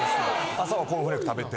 朝はコーンフレーク食べて。